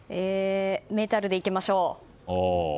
メタルでいきましょう。